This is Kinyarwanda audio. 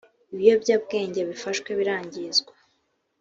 Ibiyobyabwenge bifashwe birangizwa